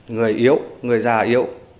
người yếu người già yếu